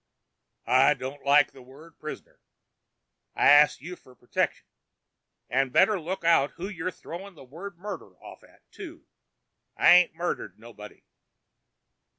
"I don't like that word 'prisoner'. I ast you fer pertection. And better look out who you go throwin' that word 'murder' off at, too. I ain't murdered nobody."